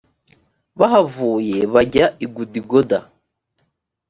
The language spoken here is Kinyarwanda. bahavuye, bajya i gudigoda;